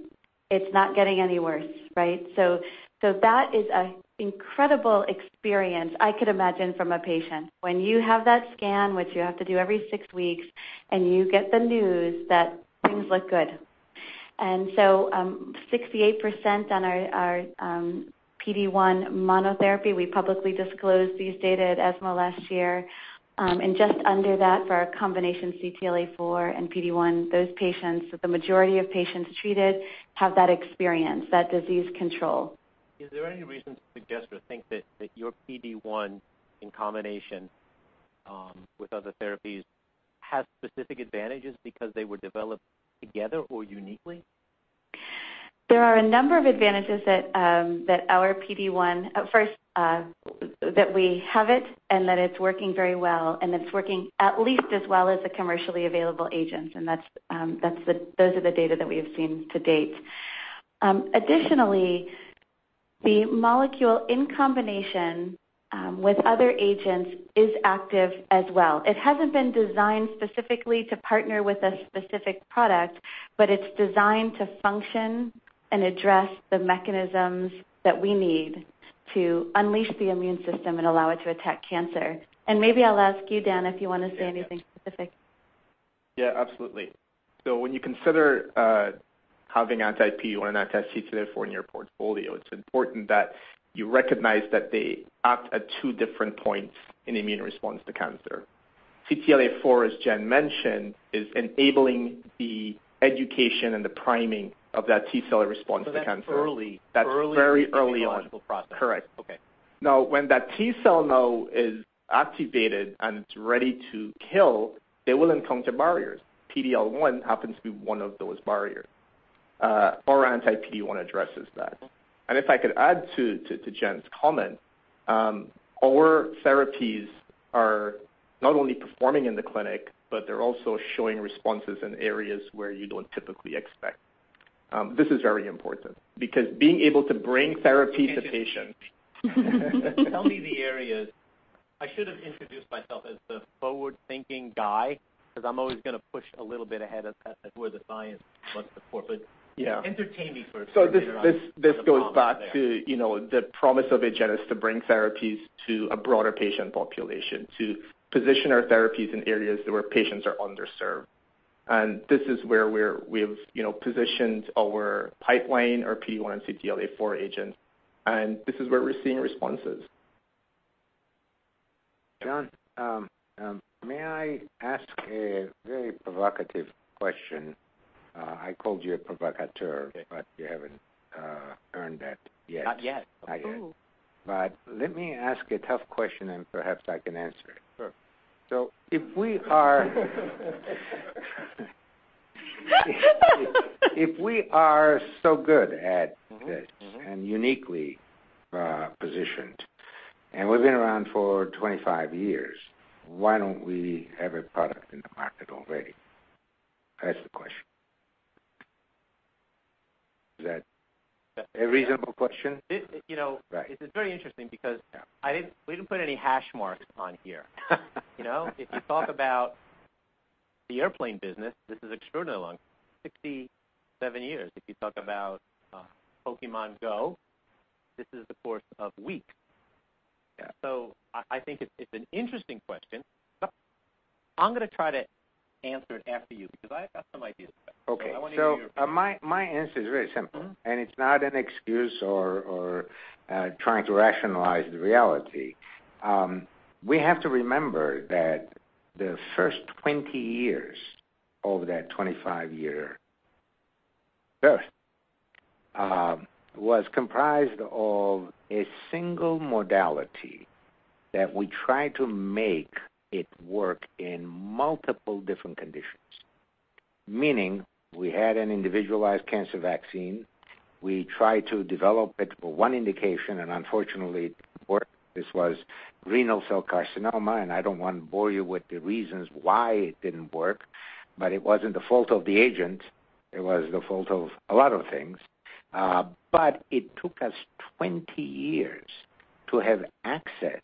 it's not getting any worse, right? That is an incredible experience I could imagine from a patient. When you have that scan, which you have to do every six weeks, and you get the news that things look good. 68% on our PD-1 monotherapy, we publicly disclosed these data at ESMO last year. Just under that for our combination CTLA-4 and PD-1, those patients, the majority of patients treated have that experience, that disease control. Is there any reason to suggest or think that your PD-1 in combination with other therapies has specific advantages because they were developed together or uniquely? There are a number of advantages that our PD-1. First, that we have it and that it's working very well, and it's working at least as well as the commercially available agents, and those are the data that we have seen to date. Additionally, the molecule in combination with other agents is active as well. It hasn't been designed specifically to partner with a specific product, but it's designed to function and address the mechanisms that we need to unleash the immune system and allow it to attack cancer. Maybe I'll ask you, Dan, if you want to say anything specific. Yeah, absolutely. When you consider having anti-PD-1 and anti-CTLA-4 in your portfolio, it's important that you recognize that they act at two different points in immune response to cancer. CTLA-4, as Jen mentioned, is enabling the education and the priming of that T cell response to cancer. That's early- That's very early on. immunological process. Correct. Okay. When that T cell now is activated and it's ready to kill, they will encounter barriers. PD-L1 happens to be one of those barriers. Our anti-PD-1 addresses that. If I could add to Jen's comment, our therapies are not only performing in the clinic, but they're also showing responses in areas where you don't typically expect. This is very important because being able to bring therapies to patients. Tell me the areas. I should have introduced myself as the forward-thinking guy because I'm always going to push a little bit ahead of where the science was before, but. Yeah Entertain me for a second later on. This goes back to the promise of Agenus to bring therapies to a broader patient population, to position our therapies in areas where patients are underserved. This is where we've positioned our pipeline, our PD-1 and CTLA-4 agents, and this is where we're seeing responses. John, may I ask a very provocative question? I called you a provocateur- Okay You haven't earned that yet. Not yet. Not yet. Ooh. Let me ask a tough question, and perhaps I can answer it. Sure. If we are so good at this and uniquely positioned, and we've been around for 25 years, why don't we have a product in the market already? I ask the question. Is that a reasonable question? It's very interesting because we didn't put any hash marks on here. If you talk about the airplane business, this is extraordinarily long, 67 years. If you talk about Pokémon GO, this is the course of weeks. Yeah. I think it's an interesting question. I'm going to try to answer it after you because I've got some ideas about it. Okay. I want to hear your thoughts. My answer is very simple. It's not an excuse or trying to rationalize the reality. We have to remember that the first 20 years of that 25-year birth was comprised of a single modality that we try to make it work in multiple different conditions. Meaning we had an individualized cancer vaccine. We tried to develop it for one indication, and unfortunately it didn't work. This was renal cell carcinoma, and I don't want to bore you with the reasons why it didn't work, but it wasn't the fault of the agent. It was the fault of a lot of things. It took us 20 years to have access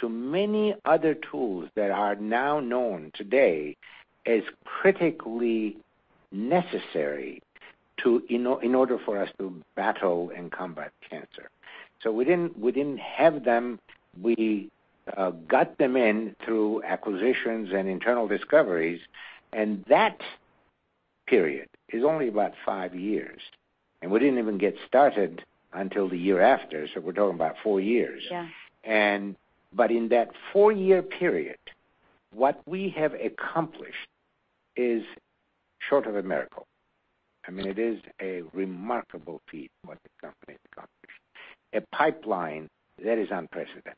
to many other tools that are now known today as critically necessary in order for us to battle and combat cancer. We didn't have them. We got them in through acquisitions and internal discoveries, and that period is only about five years, and we didn't even get started until the year after, so we're talking about four years. Yeah. In that four-year period, what we have accomplished is short of a miracle. It is a remarkable feat what the company has accomplished. A pipeline that is unprecedented.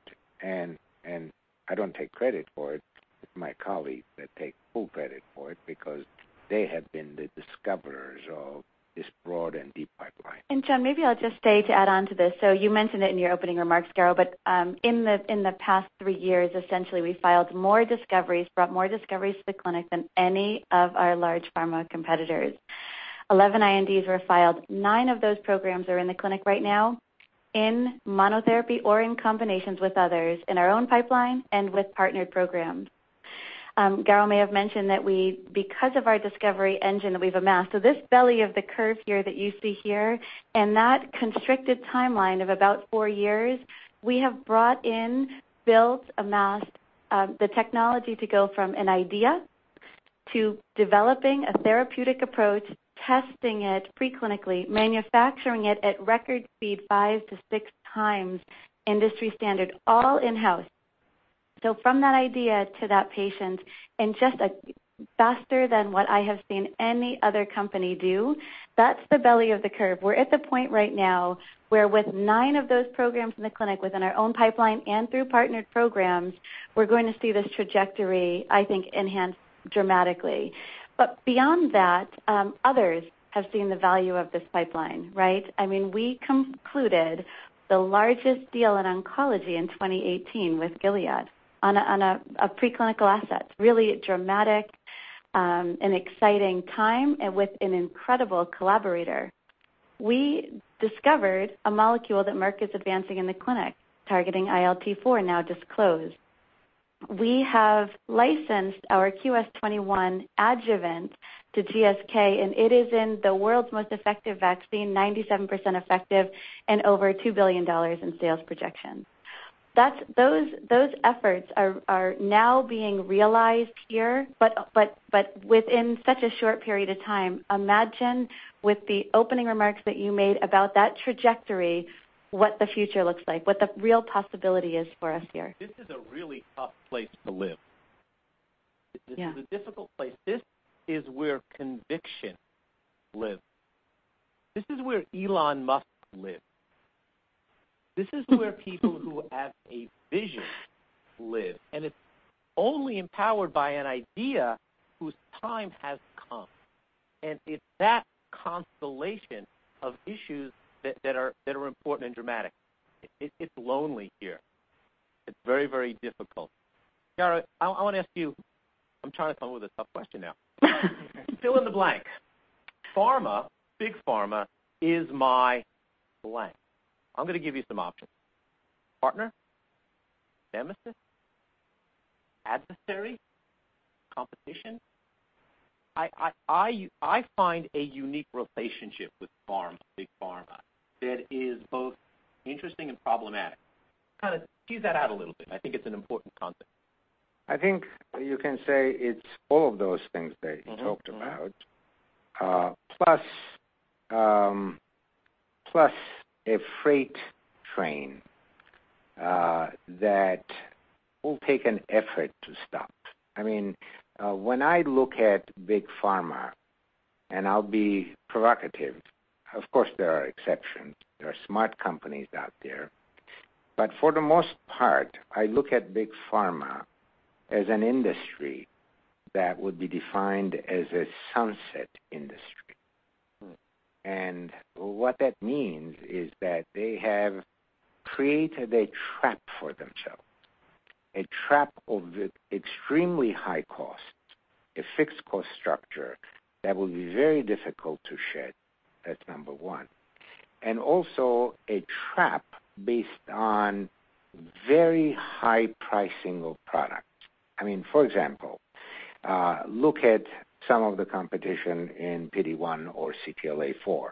I don't take credit for it. It's my colleagues that take full credit for it because they have been the discoverers of this broad and deep pipeline. John, maybe I'll just stay to add on to this. You mentioned it in your opening remarks, Garo, in the past three years, essentially, we filed more discoveries, brought more discoveries to the clinic than any of our large pharma competitors. 11 INDs were filed. Nine of those programs are in the clinic right now in monotherapy or in combinations with others in our own pipeline and with partnered programs. Garo may have mentioned that because of our discovery engine that we've amassed, this belly of the curve here that you see here, and that constricted timeline of about four years, we have brought in, built, amassed the technology to go from an idea to developing a therapeutic approach, testing it pre-clinically, manufacturing it at record speed, five to six times industry standard, all in-house. From that idea to that patient in just faster than what I have seen any other company do, that's the belly of the curve. We're at the point right now where with nine of those programs in the clinic within our own pipeline and through partnered programs, we're going to see this trajectory, I think, enhanced dramatically. Beyond that, others have seen the value of this pipeline, right? We concluded the largest deal in oncology in 2018 with Gilead on a pre-clinical asset. Really dramatic and exciting time and with an incredible collaborator. We discovered a molecule that Merck is advancing in the clinic targeting ILT4, now disclosed. We have licensed our QS-21 adjuvant to GSK, and it is in the world's most effective vaccine, 97% effective and over $2 billion in sales projections. Those efforts are now being realized here, within such a short period of time, imagine with the opening remarks that you made about that trajectory, what the future looks like, what the real possibility is for us here. This is a really tough place to live. Yeah. This is a difficult place. This is where conviction lives. This is where Elon Musk lives. This is where people who have a vision live, and it's only empowered by an idea whose time has come, and it's that constellation of issues that are important and dramatic. It's lonely here. It's very, very difficult. Garo, I want to ask you, I'm trying to come up with a tough question now. Fill in the blank. Pharma, big pharma is my blank. I'm going to give you some options. Partner, nemesis, adversary, competition. I find a unique relationship with pharma, big pharma, that is both interesting and problematic. Kind of tease that out a little bit. I think it's an important concept. I think you can say it's all of those things that you talked about. Plus a freight train that will take an effort to stop. When I look at big pharma, and I'll be provocative, of course, there are exceptions, there are smart companies out there, but for the most part, I look at big pharma as an industry that would be defined as a sunset industry. What that means is that they have created a trap for themselves, a trap of extremely high cost, a fixed cost structure that will be very difficult to shed. That's number one. Also a trap based on very high pricing of product. For example, look at some of the competition in PD-1 or CTLA-4.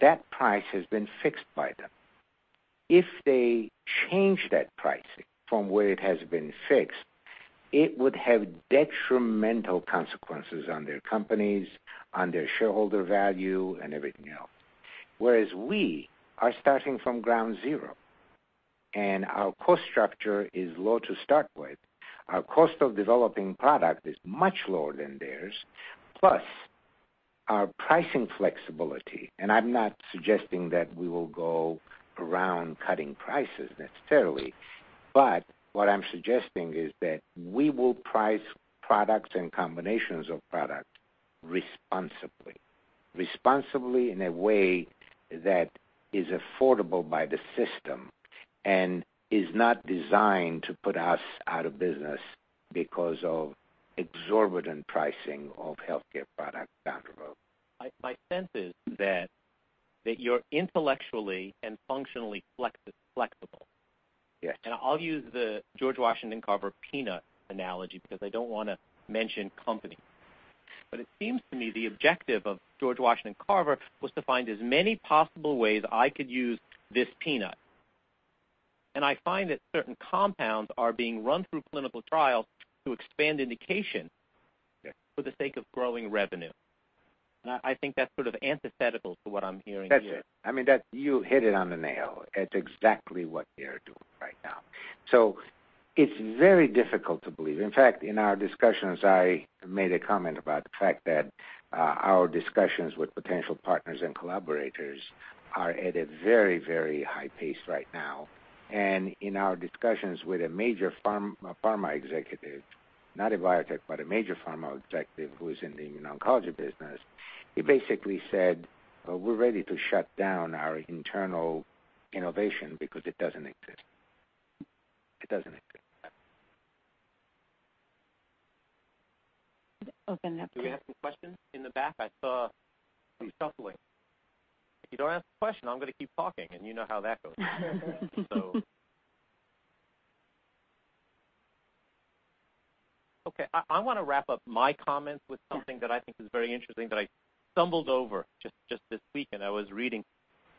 That price has been fixed by them. If they change that pricing from where it has been fixed, it would have detrimental consequences on their companies, on their shareholder value and everything else. Whereas we are starting from ground zero, and our cost structure is low to start with. Our cost of developing product is much lower than theirs. Our pricing flexibility, I'm not suggesting that we will go around cutting prices necessarily. What I'm suggesting is that we will price products and combinations of products responsibly. Responsibly in a way that is affordable by the system and is not designed to put us out of business because of exorbitant pricing of healthcare products out there. My sense is that you're intellectually and functionally flexible. Yes. I'll use the George Washington Carver peanut analogy because I don't want to mention company. It seems to me the objective of George Washington Carver was to find as many possible ways I could use this peanut. I find that certain compounds are being run through clinical trials to expand indication. Yes for the sake of growing revenue. I think that's sort of antithetical to what I'm hearing here. That's it. You hit it on the nail. That's exactly what they're doing right now. It's very difficult to believe. In fact, in our discussions, I made a comment about the fact that our discussions with potential partners and collaborators are at a very, very high pace right now. In our discussions with a major pharma executive, not a biotech, but a major pharma executive who is in the immuno-oncology business, he basically said, "We're ready to shut down our internal innovation because it doesn't exist." It doesn't exist. Open up. Do we have some questions in the back? I saw some shuffling. If you don't ask a question, I'm going to keep talking, and you know how that goes. Okay. I want to wrap up my comments with something that I think is very interesting that I stumbled over just this week, and I was reading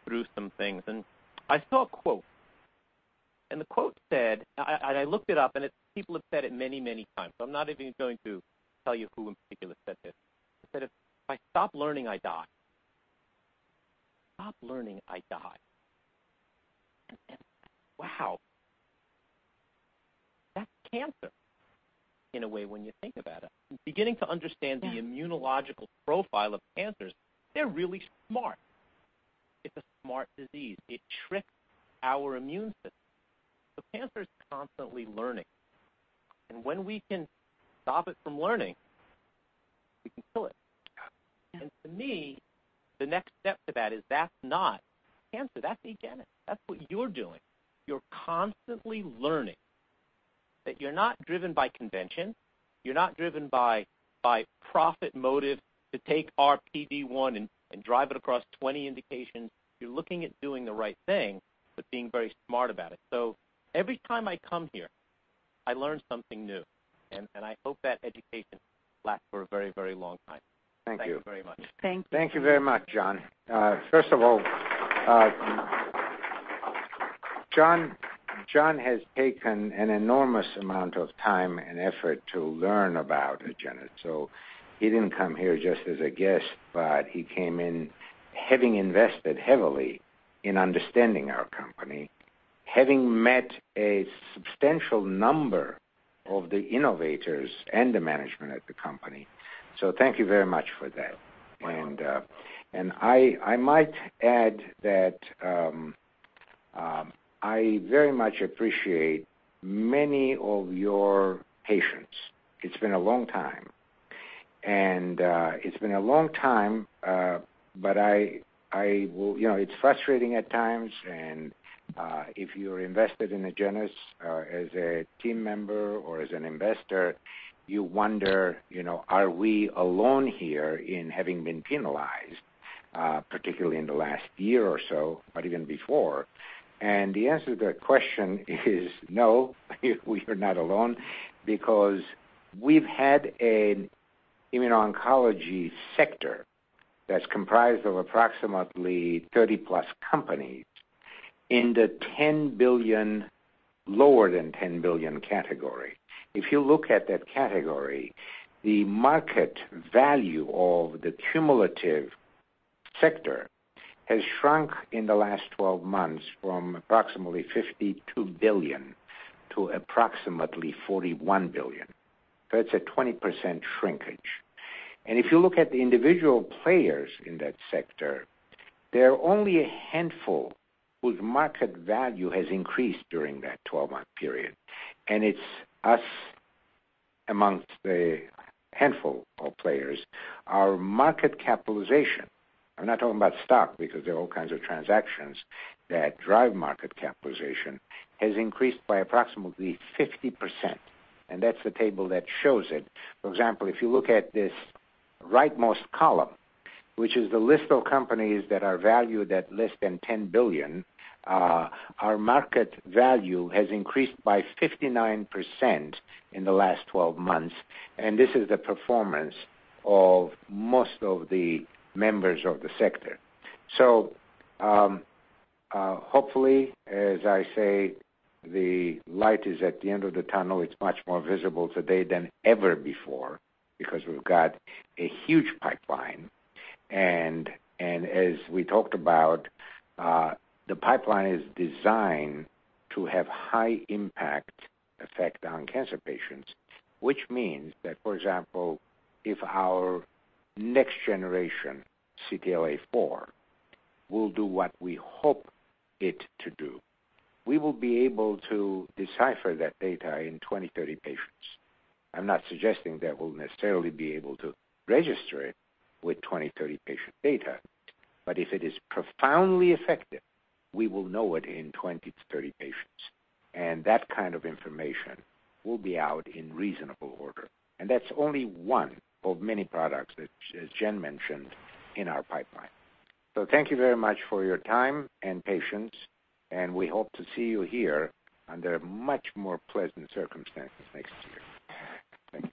through some things, and I saw a quote. The quote said, and I looked it up, and people have said it many, many times, so I'm not even going to tell you who in particular said this. It said, "If I stop learning, I die. If I stop learning, I die." Wow. That's cancer in a way when you think about it. Beginning to understand the immunological profile of cancers, they're really smart. It's a smart disease. It tricks our immune system. Cancer is constantly learning, and when we can stop it from learning, we can kill it. To me, the next step to that is that's not cancer, that's Agenus. That's what you're doing. You're constantly learning. That you're not driven by convention. You're not driven by profit motive to take our PD-1 and drive it across 20 indications. You're looking at doing the right thing, but being very smart about it. Every time I come here, I learn something new, and I hope that education lasts for a very, very long time. Thank you. Thank you very much. Thank you. Thank you very much, John. First of all, John has taken an enormous amount of time and effort to learn about Agenus. He didn't come here just as a guest, but he came in having invested heavily in understanding our company, having met a substantial number of the innovators and the management at the company. Thank you very much for that. I might add that I very much appreciate many of your patience. It's been a long time. It's been a long time, but it's frustrating at times, and if you're invested in Agenus as a team member or as an investor, you wonder are we alone here in having been penalized, particularly in the last year or so, but even before. The answer to that question is no, we are not alone because we've had an immuno-oncology sector that's comprised of approximately 30+ companies in the lower than $10 billion category. If you look at that category, the market value of the cumulative sector has shrunk in the last 12 months from approximately $52 billion to approximately $41 billion. That's a 20% shrinkage. If you look at the individual players in that sector, there are only a handful whose market value has increased during that 12-month period. It's us amongst a handful of players. Our market capitalization, I'm not talking about stock because there are all kinds of transactions that drive market capitalization, has increased by approximately 50%, and that's the table that shows it. For example, if you look at this rightmost column, which is the list of companies that are valued at less than $10 billion, our market value has increased by 59% in the last 12 months, and this is the performance of most of the members of the sector. Hopefully, as I say, the light is at the end of the tunnel. It's much more visible today than ever before because we've got a huge pipeline. As we talked about, the pipeline is designed to have high impact effect on cancer patients, which means that, for example, if our next generation CTLA-4 will do what we hope it to do, we will be able to decipher that data in 20, 30 patients. I'm not suggesting that we'll necessarily be able to register it with 20, 30 patient data. If it is profoundly effective, we will know it in 20 to 30 patients, and that kind of information will be out in reasonable order. That's only one of many products that Jen mentioned in our pipeline. Thank you very much for your time and patience, and we hope to see you here under much more pleasant circumstances next year. Thank you.